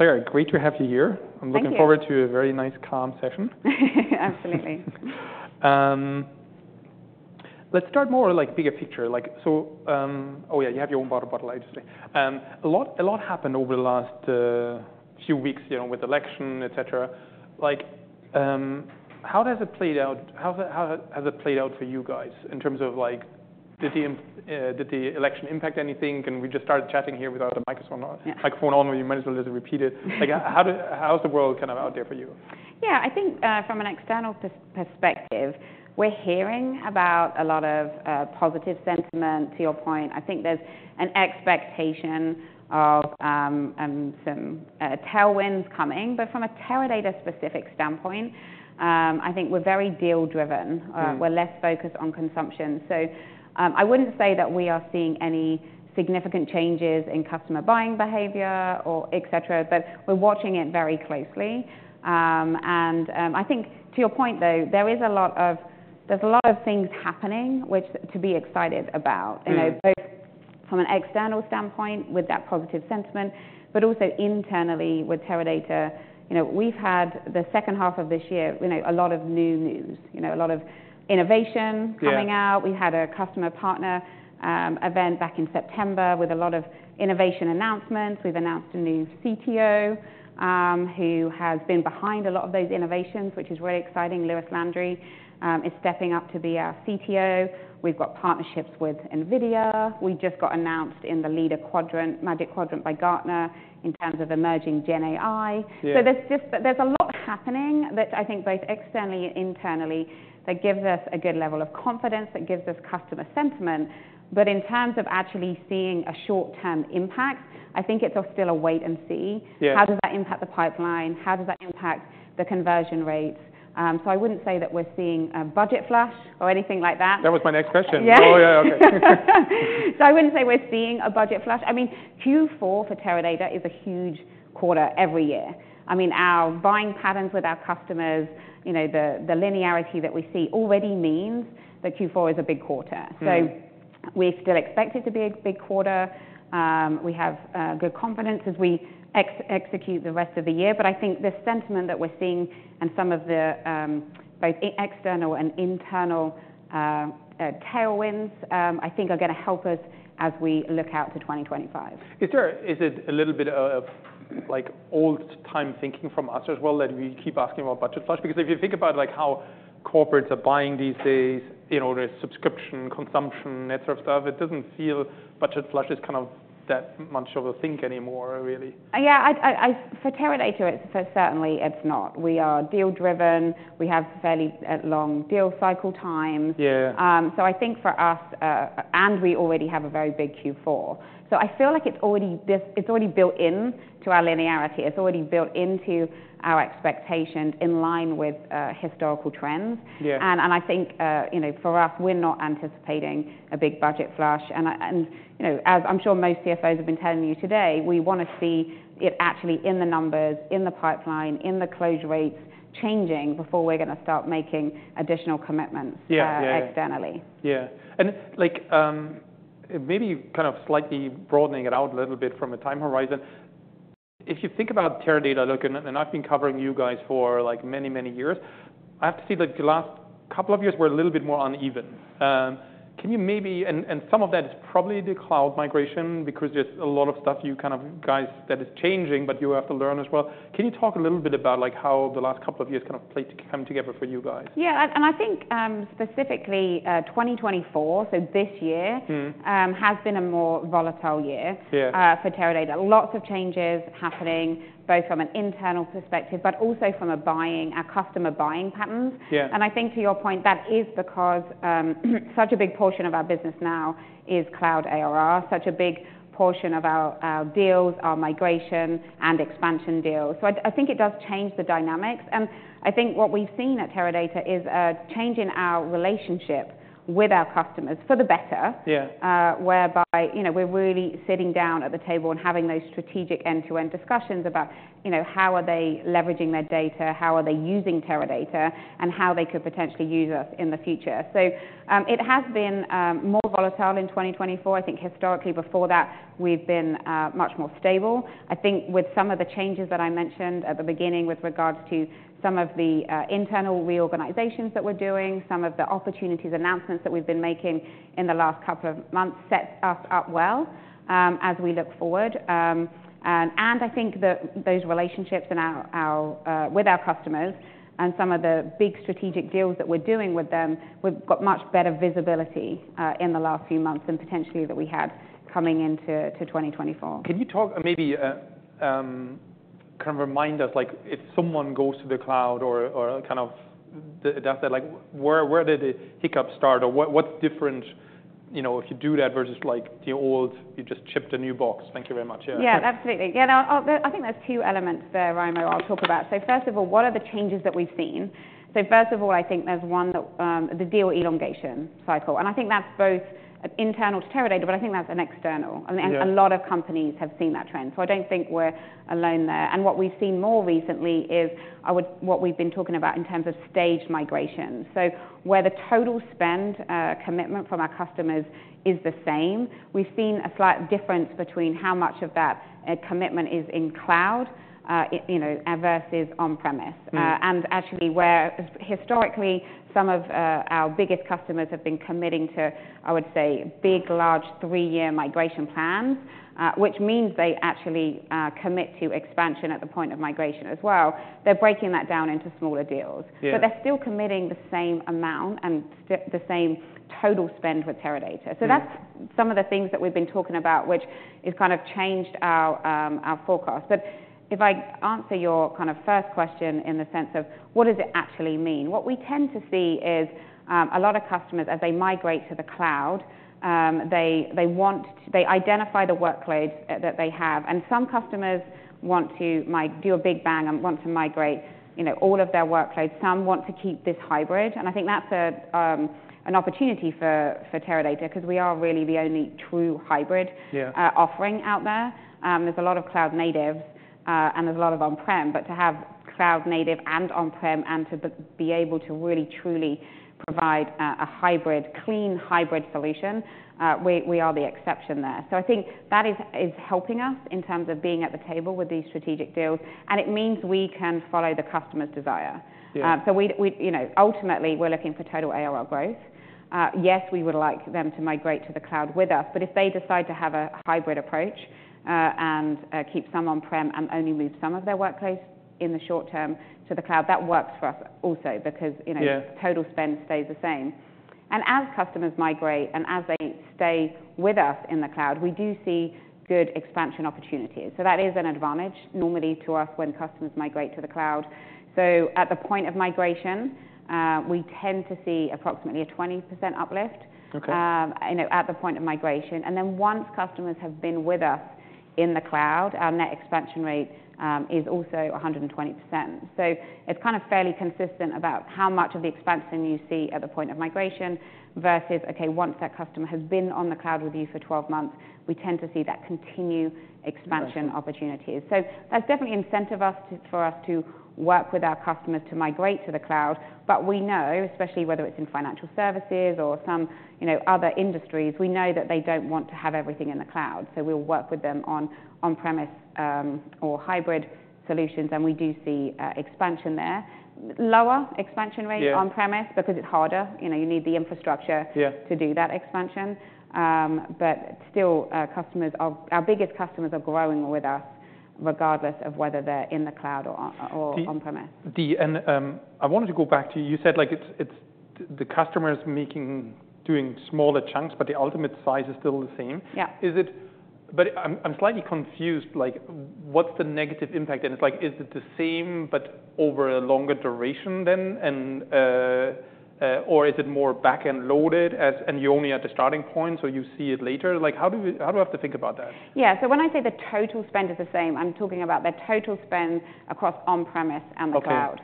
Claire, great to have you here. Thank you. I'm looking forward to a very nice, calm session. Absolutely. Let's start more like bigger picture. Oh, yeah, you have your own water bottle, I just see. A lot happened over the last few weeks with the election, et cetera. How has it played out? How has it played out for you guys in terms of, did the election impact anything? And we just started chatting here without the microphone on. Yeah. Microphone on, we might as well just repeat it. How's the world kind of out there for you? Yeah, I think from an external perspective, we're hearing about a lot of positive sentiment. To your point, I think there's an expectation of some tailwinds coming. But from a Teradata-specific standpoint, I think we're very deal-driven. We're less focused on consumption. So I wouldn't say that we are seeing any significant changes in customer buying behavior, et cetera. But we're watching it very closely. And I think, to your point, though, there is a lot of things happening to be excited about, both from an external standpoint with that positive sentiment, but also internally with Teradata. We've had the second half of this year a lot of new news, a lot of innovation coming out. We had a customer partner event back in September with a lot of innovation announcements. We've announced a new CTO who has been behind a lot of those innovations, which is really exciting. Louis Landry is stepping up to be our CTO. We've got partnerships with Nvidia. We just got announced in the Leaders quadrant, Magic Quadrant, by Gartner in terms of emerging Gen AI. So there's a lot happening that I think both externally and internally that gives us a good level of confidence, that gives us customer sentiment. But in terms of actually seeing a short-term impact, I think it's still a wait and see. How does that impact the pipeline? How does that impact the conversion rates? So I wouldn't say that we're seeing a budget flush or anything like that. That was my next question. Yeah. Oh, yeah, OK. So I wouldn't say we're seeing a budget flush. I mean, Q4 for Teradata is a huge quarter every year. I mean, our buying patterns with our customers, the linearity that we see already means that Q4 is a big quarter. So we still expect it to be a big quarter. We have good confidence as we execute the rest of the year. But I think the sentiment that we're seeing and some of the both external and internal tailwinds, I think, are going to help us as we look out to 2025. Is there a little bit of old-time thinking from us as well that we keep asking about budget flush? Because if you think about how corporates are buying these days in order to subscription, consumption, that sort of stuff, it doesn't feel budget flush is kind of that much of a thing anymore, really. Yeah, for Teradata, certainly it's not. We are deal-driven. We have fairly long deal cycle times. So I think for us, and we already have a very big Q4. So I feel like it's already built into our linearity. It's already built into our expectations in line with historical trends. And I think for us, we're not anticipating a big budget flush. And as I'm sure most CFOs have been telling you today, we want to see it actually in the numbers, in the pipeline, in the close rates changing before we're going to start making additional commitments externally. Yeah, and maybe kind of slightly broadening it out a little bit from a time horizon. If you think about Teradata, and I've been covering you guys for many, many years, I have to say the last couple of years were a little bit more uneven. Can you maybe, and some of that is probably the cloud migration because there's a lot of stuff you guys kind of that is changing, but you have to learn as well. Can you talk a little bit about how the last couple of years kind of played to come together for you guys? Yeah, and I think specifically 2024, so this year, has been a more volatile year for Teradata. Lots of changes happening both from an internal perspective, but also from our customer buying patterns. And I think to your point, that is because such a big portion of our business now is cloud ARR, such a big portion of our deals, our migration and expansion deals. So I think it does change the dynamics. And I think what we've seen at Teradata is a change in our relationship with our customers for the better, whereby we're really sitting down at the table and having those strategic end-to-end discussions about how are they leveraging their data, how are they using Teradata, and how they could potentially use us in the future. So it has been more volatile in 2024. I think historically before that, we've been much more stable. I think with some of the changes that I mentioned at the beginning with regards to some of the internal reorganizations that we're doing, some of the opportunities announcements that we've been making in the last couple of months set us up well as we look forward, and I think that those relationships with our customers and some of the big strategic deals that we're doing with them, we've got much better visibility in the last few months than potentially that we had coming into 2024. Can you talk and maybe kind of remind us if someone goes to the cloud or kind of does that, where did the hiccup start? Or what's different if you do that versus the old, you just shipped a new box? Thank you very much. Yeah, absolutely. Yeah, I think there's two elements there, Raimo, I'll talk about. So first of all, what are the changes that we've seen? So first of all, I think there's one that the deal elongation cycle. And I think that's both internal to Teradata, but I think that's external. And a lot of companies have seen that trend. So I don't think we're alone there. And what we've seen more recently is what we've been talking about in terms of staged migration. So where the total spend commitment from our customers is the same, we've seen a slight difference between how much of that commitment is in cloud versus on-premise. And actually, where historically some of our biggest customers have been committing to, I would say, big, large three-year migration plans, which means they actually commit to expansion at the point of migration as well, they're breaking that down into smaller deals. But they're still committing the same amount and the same total spend with Teradata. So that's some of the things that we've been talking about, which has kind of changed our forecast. But if I answer your kind of first question in the sense of what does it actually mean, what we tend to see is a lot of customers, as they migrate to the cloud, they identify the workloads that they have. And some customers want to do a big bang and want to migrate all of their workloads. Some want to keep this hybrid. And I think that's an opportunity for Teradata because we are really the only true hybrid offering out there. There's a lot of cloud natives, and there's a lot of on-prem. But to have cloud native and on-prem and to be able to really, truly provide a hybrid, clean hybrid solution, we are the exception there. So I think that is helping us in terms of being at the table with these strategic deals. And it means we can follow the customer's desire. So ultimately, we're looking for total ARR growth. Yes, we would like them to migrate to the cloud with us. But if they decide to have a hybrid approach and keep some on-prem and only move some of their workloads in the short term to the cloud, that works for us also because total spend stays the same. As customers migrate and as they stay with us in the cloud, we do see good expansion opportunities. That is an advantage normally to us when customers migrate to the cloud. At the point of migration, we tend to see approximately a 20% uplift at the point of migration. Then once customers have been with us in the cloud, our net expansion rate is also 120%. It's kind of fairly consistent about how much of the expansion you see at the point of migration versus, OK, once that customer has been on the cloud with you for 12 months, we tend to see that continue expansion opportunities. That's definitely incentive for us to work with our customers to migrate to the cloud. But we know, especially whether it's in financial services or some other industries, we know that they don't want to have everything in the cloud. So we'll work with them on on-premise or hybrid solutions. And we do see expansion there, lower expansion rate on-premise because it's harder. You need the infrastructure to do that expansion. But still, our biggest customers are growing with us regardless of whether they're in the cloud or on-premise. I wanted to go back to you. You said the customer is doing smaller chunks, but the ultimate size is still the same. Yeah. But I'm slightly confused. What's the negative impact? And it's like, is it the same but over a longer duration than? Or is it more back-end loaded and you only at the starting point, so you see it later? How do I have to think about that? Yeah, so when I say the total spend is the same, I'm talking about the total spend across on-premises and the cloud.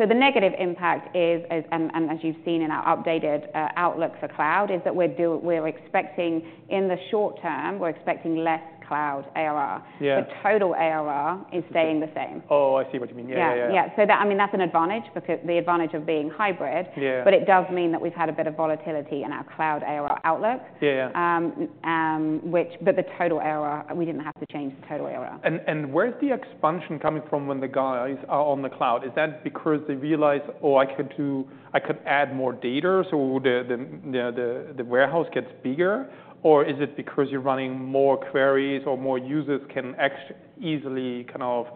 So the negative impact is, and as you've seen in our updated outlook for cloud, is that we're expecting in the short term, we're expecting less cloud ARR. The total ARR is staying the same. Oh, I see what you mean. Yeah, yeah, yeah. Yeah, so I mean, that's an advantage, the advantage of being hybrid. But it does mean that we've had a bit of volatility in our cloud ARR outlook. But the total ARR, we didn't have to change the total ARR. Where's the expansion coming from when the guys are on the cloud? Is that because they realize, oh, I could add more data so the warehouse gets bigger? Or is it because you're running more queries or more users can easily kind of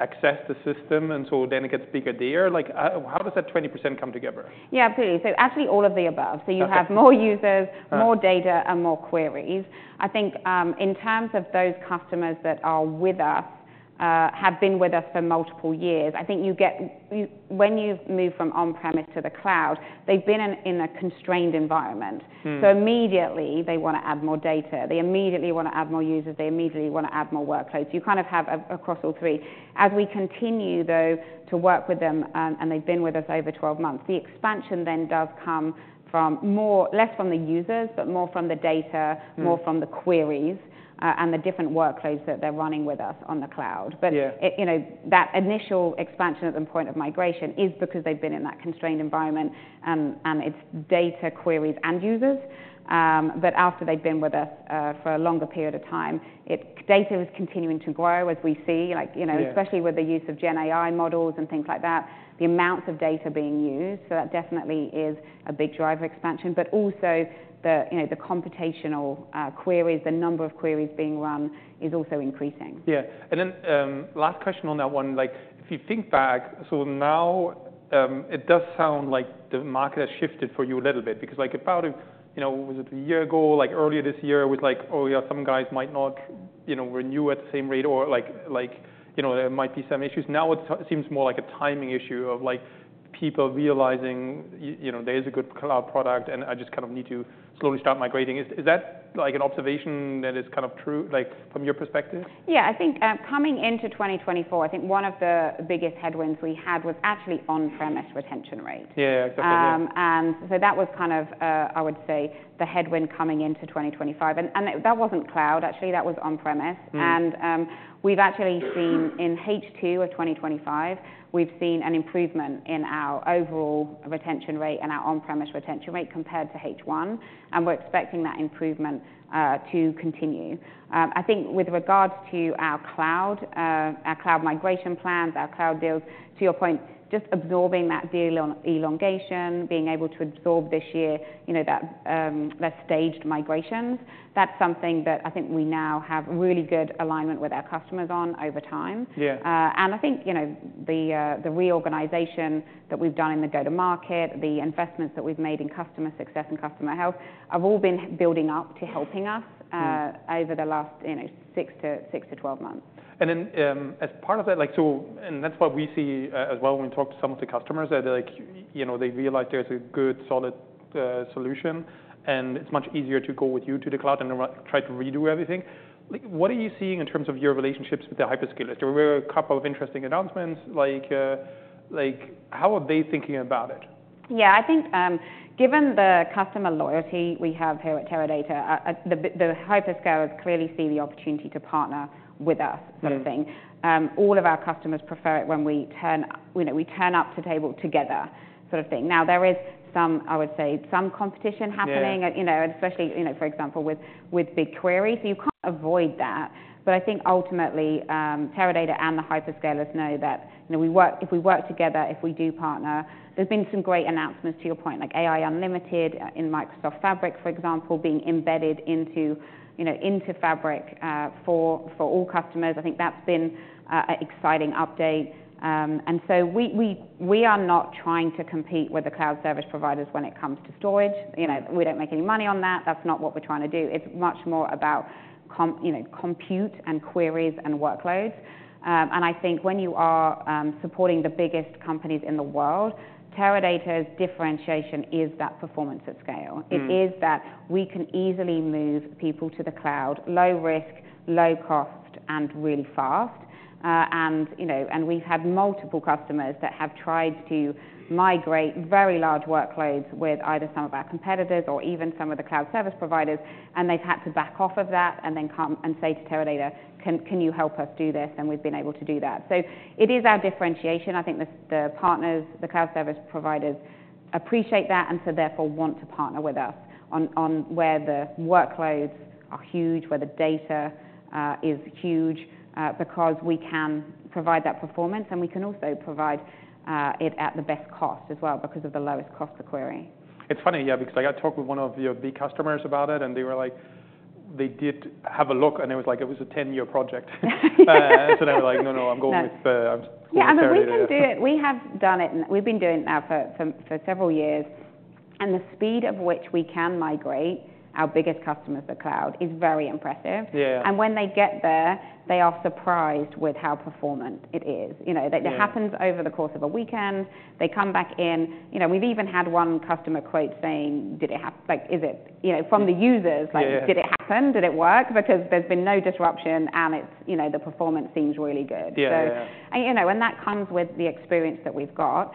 access the system, and so then it gets bigger there? How does that 20% come together? Yeah, absolutely. So actually all of the above. So you have more users, more data, and more queries. I think in terms of those customers that are with us, have been with us for multiple years, I think when you move from on-premise to the cloud, they've been in a constrained environment. So immediately, they want to add more data. They immediately want to add more users. They immediately want to add more workloads. You kind of have across all three. As we continue, though, to work with them, and they've been with us over 12 months, the expansion then does come less from the users, but more from the data, more from the queries, and the different workloads that they're running with us on the cloud. But that initial expansion at the point of migration is because they've been in that constrained environment, and it's data, queries, and users. But after they've been with us for a longer period of time, data is continuing to grow as we see, especially with the use of Gen AI models and things like that, the amounts of data being used. So that definitely is a big driver of expansion. But also the computational queries, the number of queries being run is also increasing. Yeah. And then last question on that one. If you think back, so now it does sound like the market has shifted for you a little bit because about, what was it, a year ago, earlier this year, it was like, oh, yeah, some guys might not renew at the same rate, or there might be some issues. Now it seems more like a timing issue of people realizing there is a good cloud product, and I just kind of need to slowly start migrating. Is that an observation that is kind of true from your perspective? Yeah, I think coming into 2024, I think one of the biggest headwinds we had was actually on-premises retention rate. Yeah, yeah, exactly. And so that was kind of, I would say, the headwind coming into 2025. And that wasn't cloud, actually. That was on-premise. And we've actually seen in H2 of 2025, we've seen an improvement in our overall retention rate and our on-premise retention rate compared to H1. And we're expecting that improvement to continue. I think with regards to our cloud, our cloud migration plans, our cloud deals, to your point, just absorbing that deal elongation, being able to absorb this year the staged migrations, that's something that I think we now have really good alignment with our customers on over time. And I think the reorganization that we've done in the go-to-market, the investments that we've made in customer success and customer health have all been building up to helping us over the last six to 12 months. And then as part of that, and that's what we see as well when we talk to some of the customers. They realize there's a good, solid solution, and it's much easier to go with you to the cloud and try to redo everything. What are you seeing in terms of your relationships with the hyperscalers? There were a couple of interesting announcements. How are they thinking about it? Yeah, I think given the customer loyalty we have here at Teradata, the hyperscalers clearly see the opportunity to partner with us, sort of thing. All of our customers prefer it when we turn up at the table together, sort of thing. Now, there is, I would say, some competition happening, especially, for example, with BigQuery. So you can't avoid that. But I think ultimately, Teradata and the hyperscalers know that if we work together, if we do partner, there's been some great announcements, to your point, like AI Unlimited in Microsoft Fabric, for example, being embedded into Fabric for all customers. I think that's been an exciting update. And so we are not trying to compete with the cloud service providers when it comes to storage. We don't make any money on that. That's not what we're trying to do. It's much more about compute and queries and workloads. I think when you are supporting the biggest companies in the world, Teradata's differentiation is that performance at scale. It is that we can easily move people to the cloud, low risk, low cost, and really fast. We've had multiple customers that have tried to migrate very large workloads with either some of our competitors or even some of the cloud service providers. They've had to back off of that and then come and say to Teradata, can you help us do this? We've been able to do that. It is our differentiation. I think the partners, the cloud service providers appreciate that, and so therefore want to partner with us on where the workloads are huge, where the data is huge, because we can provide that performance. And we can also provide it at the best cost as well because of the lowest cost per query. It's funny, yeah, because I got to talk with one of your big customers about it. And they were like, they did have a look. And it was like, it was a 10-year project. So they were like, no, no, I'm going with. Yeah, and we can do it. We have done it. We've been doing it now for several years. And the speed of which we can migrate our biggest customers to cloud is very impressive. And when they get there, they are surprised with how performant it is. It happens over the course of a weekend. They come back in. We've even had one customer quote saying, "Is it from the users? Did it happen? Did it work?" Because there's been no disruption, and the performance seems really good. And that comes with the experience that we've got.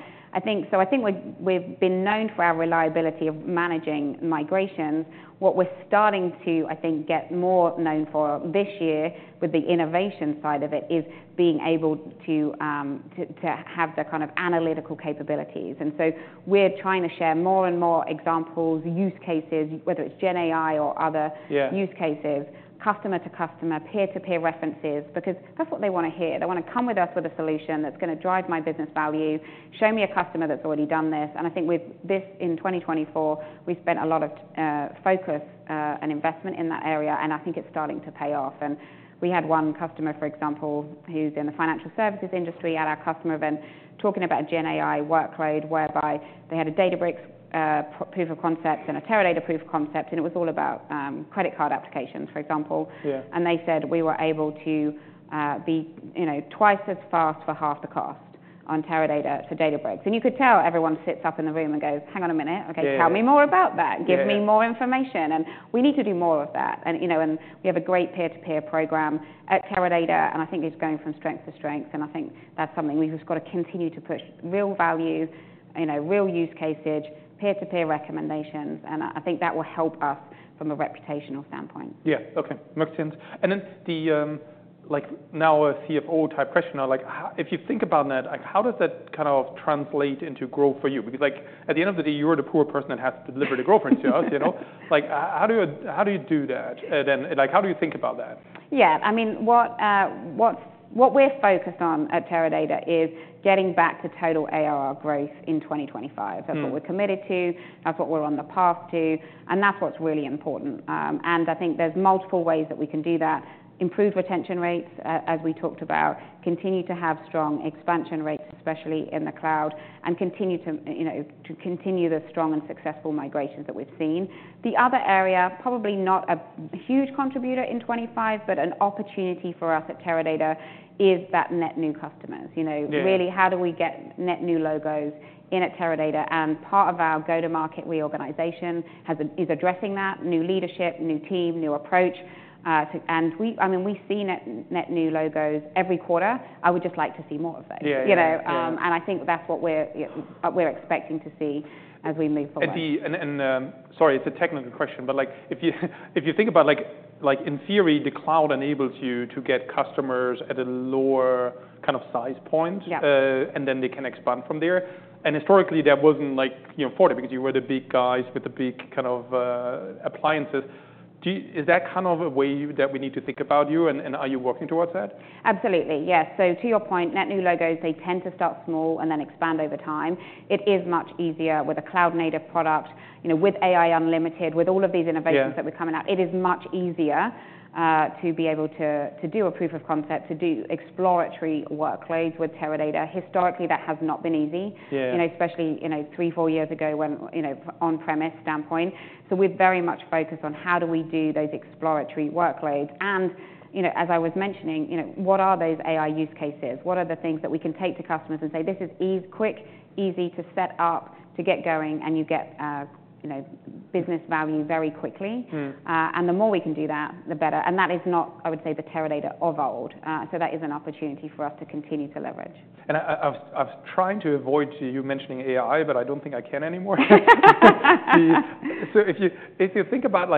So I think we've been known for our reliability of managing migrations. What we're starting to, I think, get more known for this year with the innovation side of it is being able to have the kind of analytical capabilities. And so we're trying to share more and more examples, use cases, whether it's Gen AI or other use cases, customer to customer, peer to peer references, because that's what they want to hear. They want to come with us with a solution that's going to drive my business value. Show me a customer that's already done this. And I think with this in 2024, we spent a lot of focus and investment in that area. And I think it's starting to pay off. And we had one customer, for example, who's in the financial services industry at our customer event talking about a Gen AI workload whereby they had a Databricks proof of concept and a Teradata proof of concept. And it was all about credit card applications, for example. And they said we were able to be twice as fast for half the cost on Teradata to Databricks. And you could tell everyone sits up in the room and goes, "Hang on a minute." OK, tell me more about that. Give me more information. And we need to do more of that. And we have a great peer to peer program at Teradata. And I think it's going from strength to strength. And I think that's something we've just got to continue to push real value, real use cases, peer to peer recommendations. And I think that will help us from a reputational standpoint. Yeah, OK, makes sense. And then the now CFO type question, if you think about that, how does that kind of translate into growth for you? Because at the end of the day, you're the poor person that has to deliver the growth for us. How do you do that? And then how do you think about that? Yeah, I mean, what we're focused on at Teradata is getting back to total ARR growth in 2025. That's what we're committed to. That's what we're on the path to. And that's what's really important. And I think there's multiple ways that we can do that, improve retention rates, as we talked about, continue to have strong expansion rates, especially in the cloud, and continue the strong and successful migrations that we've seen. The other area, probably not a huge contributor in 2025, but an opportunity for us at Teradata is that net new customers. Really, how do we get net new logos in at Teradata? And part of our go-to-market reorganization is addressing that, new leadership, new team, new approach. And I mean, we see net new logos every quarter. I would just like to see more of those. I think that's what we're expecting to see as we move forward. Sorry, it's a technical question. But if you think about, in theory, the cloud enables you to get customers at a lower kind of price point, and then they can expand from there. And historically, that wasn't for it because you were the big guys with the big kind of appliances. Is that kind of a way that we need to think about you? And are you working towards that? Absolutely, yes, so to your point, net new logos, they tend to start small and then expand over time. It is much easier with a cloud-native product, with AI Unlimited, with all of these innovations that we're coming out. It is much easier to be able to do a proof of concept, to do exploratory workloads with Teradata. Historically, that has not been easy, especially three, four years ago on an on-premise standpoint, so we're very much focused on how do we do those exploratory workloads, and as I was mentioning, what are those AI use cases? What are the things that we can take to customers and say, this is quick, easy to set up, to get going, and you get business value very quickly, and the more we can do that, the better, and that is not, I would say, the Teradata of old. So that is an opportunity for us to continue to leverage. I was trying to avoid you mentioning AI, but I don't think I can anymore. If you think about,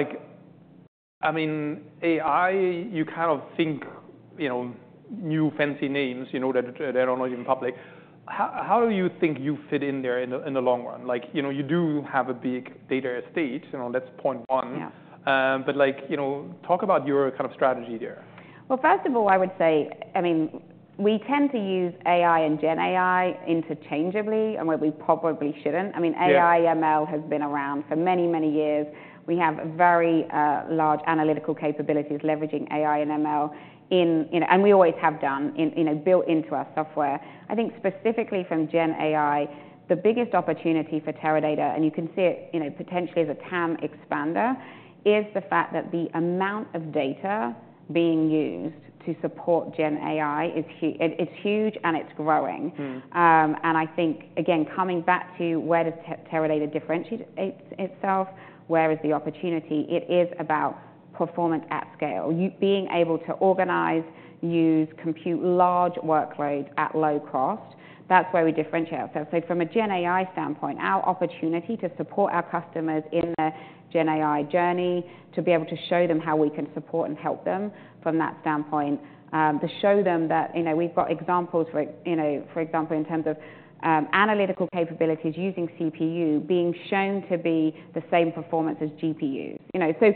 I mean, AI, you kind of think new fancy names that are not even public. How do you think you fit in there in the long run? You do have a big data estate. That's point one. Talk about your kind of strategy there. First of all, I would say, I mean, we tend to use AI and Gen AI interchangeably, and we probably shouldn't. I mean, AI/ML has been around for many, many years. We have very large analytical capabilities leveraging AI and ML, and we always have done built into our software. I think specifically from Gen AI, the biggest opportunity for Teradata, and you can see it potentially as a TAM expander, is the fact that the amount of data being used to support Gen AI is huge, and it's growing. I think, again, coming back to where does Teradata differentiate itself, where is the opportunity? It is about performance at scale, being able to organize, use, compute large workloads at low cost. That's where we differentiate ourselves. So from a Gen AI standpoint, our opportunity to support our customers in the Gen AI journey, to be able to show them how we can support and help them from that standpoint, to show them that we've got examples, for example, in terms of analytical capabilities using CPU being shown to be the same performance as GPUs. So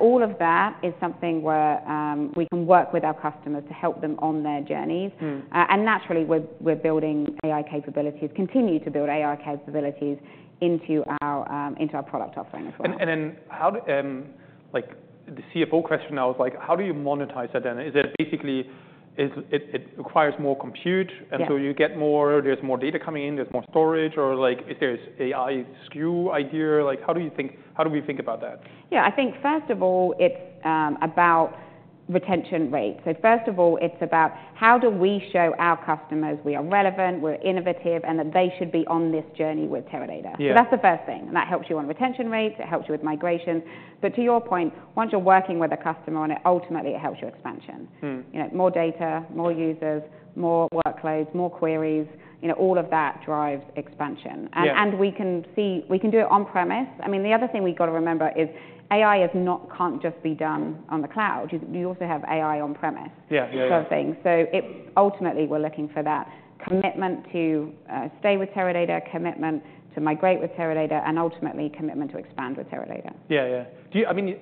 all of that is something where we can work with our customers to help them on their journeys. And naturally, we're building AI capabilities, continue to build AI capabilities into our product offering as well. The CFO question now is like, how do you monetize that then? Is it basically it requires more compute, and so you get more, there's more data coming in, there's more storage, or is there an AI SKU idea? How do you think, how do we think about that? Yeah, I think first of all, it's about retention rates. So first of all, it's about how do we show our customers we are relevant, we're innovative, and that they should be on this journey with Teradata. So that's the first thing. And that helps you on retention rates. It helps you with migrations. But to your point, once you're working with a customer on it, ultimately, it helps your expansion. More data, more users, more workloads, more queries, all of that drives expansion. And we can do it on-premise. I mean, the other thing we've got to remember is AI can't just be done on the cloud. You also have AI on-premise sort of thing. So ultimately, we're looking for that commitment to stay with Teradata, commitment to migrate with Teradata, and ultimately, commitment to expand with Teradata. Yeah, yeah. I mean,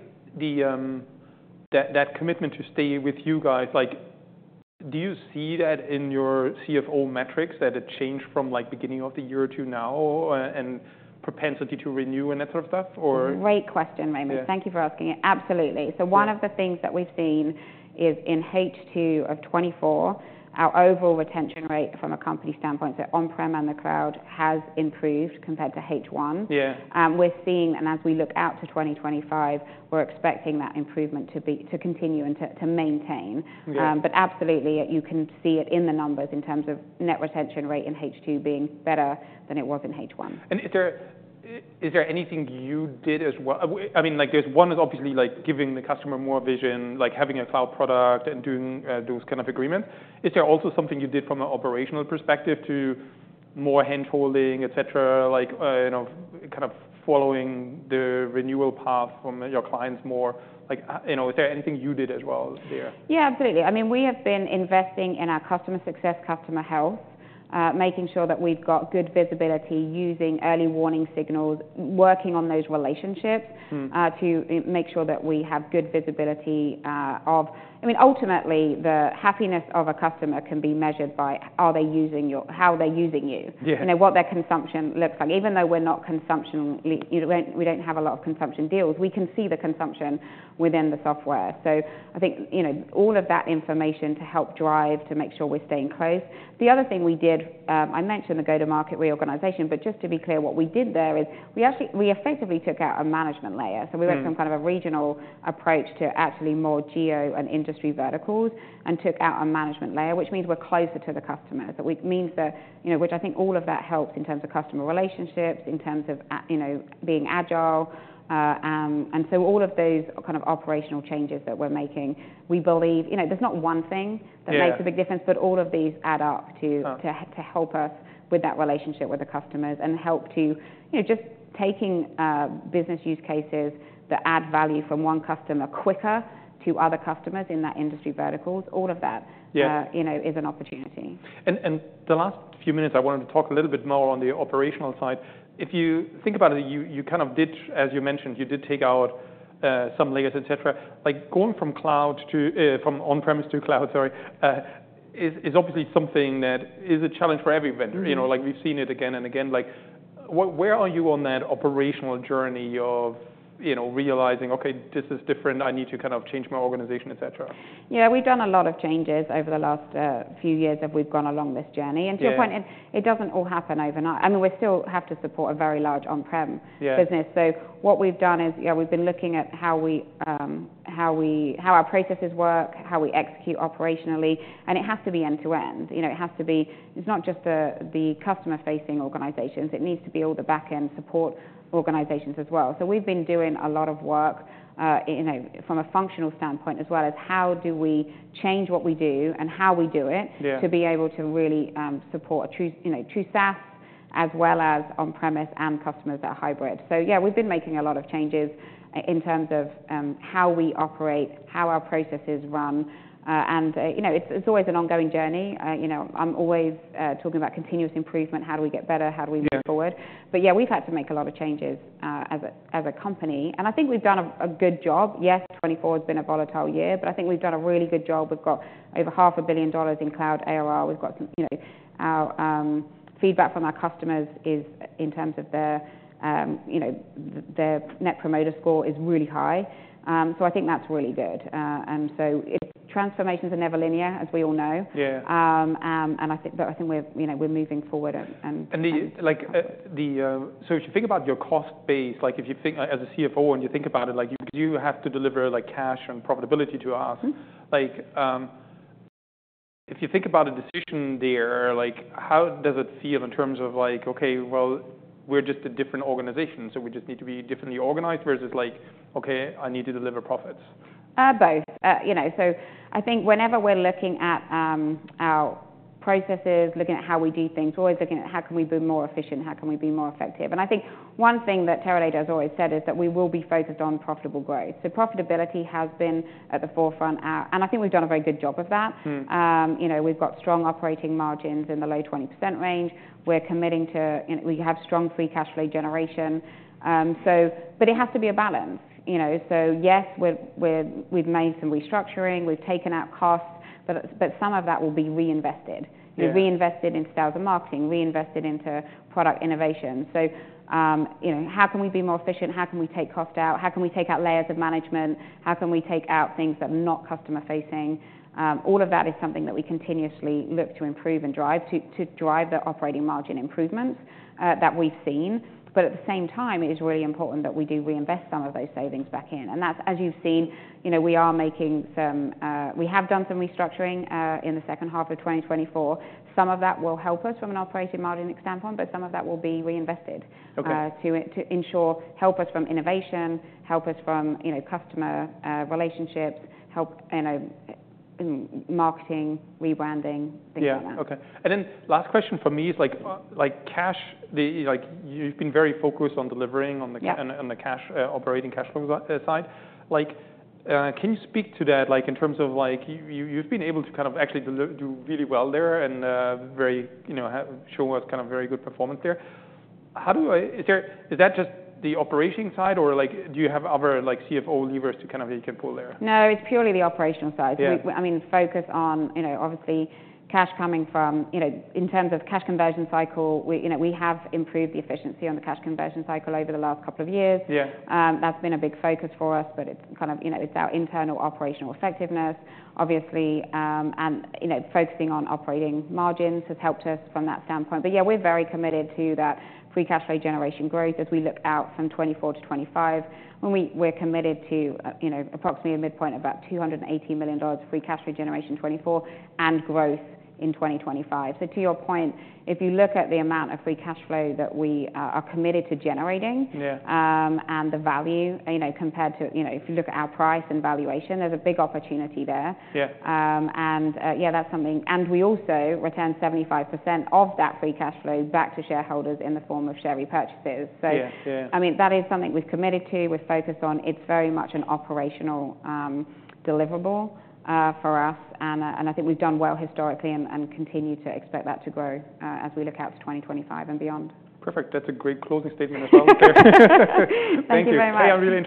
that commitment to stay with you guys, do you see that in your CFO metrics, that it changed from beginning of the year to now and propensity to renew and that sort of stuff, or? Great question, Raimo. Thank you for asking it. Absolutely. So one of the things that we've seen is in H2 of 2024, our overall retention rate from a company standpoint, so on-prem and the cloud, has improved compared to H1. We're seeing, and as we look out to 2025, we're expecting that improvement to continue and to maintain. But absolutely, you can see it in the numbers in terms of net retention rate in H2 being better than it was in H1. Is there anything you did as well? I mean, there's one is obviously giving the customer more vision, like having a cloud product and doing those kind of agreements. Is there also something you did from an operational perspective to more handholding, et cetera, kind of following the renewal path from your clients more? Is there anything you did as well there? Yeah, absolutely. I mean, we have been investing in our customer success, customer health, making sure that we've got good visibility using early warning signals, working on those relationships to make sure that we have good visibility of, I mean, ultimately, the happiness of a customer can be measured by how they're using you, what their consumption looks like. Even though we're not consumption, we don't have a lot of consumption deals, we can see the consumption within the software. So I think all of that information to help drive to make sure we're staying close. The other thing we did, I mentioned the go-to-market reorganization. But just to be clear, what we did there is we effectively took out a management layer. So we went from kind of a regional approach to actually more geo and industry verticals and took out a management layer, which means we're closer to the customers. It means that which I think all of that helps in terms of customer relationships, in terms of being agile. And so all of those kind of operational changes that we're making, we believe there's not one thing that makes a big difference, but all of these add up to help us with that relationship with the customers and help to just taking business use cases that add value from one customer quicker to other customers in that industry verticals. All of that is an opportunity. The last few minutes, I wanted to talk a little bit more on the operational side. If you think about it, you kind of did, as you mentioned, you did take out some layers, et cetera. Going from cloud to on-premise to cloud, sorry, is obviously something that is a challenge for every vendor. We've seen it again and again. Where are you on that operational journey of realizing, OK, this is different, I need to kind of change my organization, et cetera? Yeah, we've done a lot of changes over the last few years as we've gone along this journey. And to your point, it doesn't all happen overnight. I mean, we still have to support a very large on-prem business. So what we've done is we've been looking at how our processes work, how we execute operationally. And it has to be end to end. It has to be, it's not just the customer-facing organizations. It needs to be all the back-end support organizations as well. So we've been doing a lot of work from a functional standpoint as well as how do we change what we do and how we do it to be able to really support true SaaS as well as on-premise and customers that are hybrid. So yeah, we've been making a lot of changes in terms of how we operate, how our processes run. And it's always an ongoing journey. I'm always talking about continuous improvement. How do we get better? How do we move forward? But yeah, we've had to make a lot of changes as a company. And I think we've done a good job. Yes, 2024 has been a volatile year, but I think we've done a really good job. We've got over $500 million in cloud ARR. We've got our feedback from our customers in terms of their Net Promoter Score is really high. So I think that's really good. And so transformations are never linear, as we all know. And I think we're moving forward and. And so if you think about your cost base, if you think as a CFO and you think about it, you have to deliver cash and profitability to us. If you think about a decision there, how does it feel in terms of, OK, well, we're just a different organization, so we just need to be differently organized versus like, OK, I need to deliver profits? Both. So I think whenever we're looking at our processes, looking at how we do things, we're always looking at how can we be more efficient, how can we be more effective. And I think one thing that Teradata has always said is that we will be focused on profitable growth. So profitability has been at the forefront. And I think we've done a very good job of that. We've got strong operating margins in the low 20% range. We're committing to, we have strong free cash flow generation. But it has to be a balance. So yes, we've made some restructuring. We've taken out costs. But some of that will be reinvested, reinvested into sales and marketing, reinvested into product innovation. So how can we be more efficient? How can we take cost out? How can we take out layers of management? How can we take out things that are not customer-facing? All of that is something that we continuously look to improve and drive the operating margin improvements that we've seen. But at the same time, it is really important that we do reinvest some of those savings back in. And as you've seen, we are making some, we have done some restructuring in the second half of 2024. Some of that will help us from an operating margin standpoint, but some of that will be reinvested to ensure help us from innovation, help us from customer relationships, help marketing, rebranding, things like that. Yeah, OK. And then last question for me is cash. You've been very focused on delivering on the operating cash flow side. Can you speak to that in terms of you've been able to kind of actually do really well there and show us kind of very good performance there? Is that just the operating side, or do you have other CFO levers to kind of you can pull there? No, it's purely the operational side. I mean, focus on obviously cash coming from in terms of cash conversion cycle, we have improved the efficiency on the cash conversion cycle over the last couple of years. That's been a big focus for us, but it's kind of our internal operational effectiveness, obviously. And focusing on operating margins has helped us from that standpoint. But yeah, we're very committed to that free cash flow generation growth as we look out from 2024 to 2025. We're committed to approximately a midpoint of about $280 million free cash flow generation 2024 and growth in 2025. So to your point, if you look at the amount of free cash flow that we are committed to generating and the value compared to if you look at our price and valuation, there's a big opportunity there. And yeah, that's something. And we also return 75% of that free cash flow back to shareholders in the form of share repurchases. So I mean, that is something we've committed to. We're focused on, it's very much an operational deliverable for us. And I think we've done well historically and continue to expect that to grow as we look out to 2025 and beyond. Perfect. That's a great closing statement as well. Thank you very much. Probably.